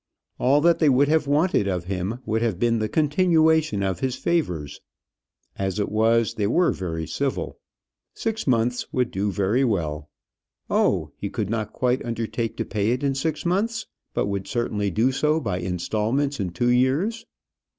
All that they would have wanted of him would have been the continuation of his favours. As it was, they were very civil. Six months would do very well. Oh! he could not quite undertake to pay it in six months, but would certainly do so by instalments in two years.